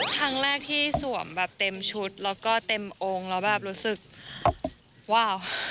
ครั้งแรกที่สวมแบบเต็มชุดแล้วก็เต็มองค์แล้วแบบรู้สึกว้าว